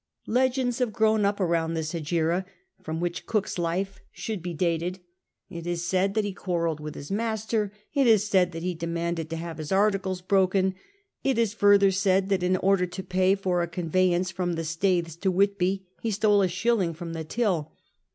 Legends have grown up around this Hejira, from which Cook's life should be dated. It is said that he quarrelled with his master ; it is said that he demanded to have his articles broken ; it is further said that, in order to pay for a conveyance from the Staithes to Whitby, he stole a shilling from the till.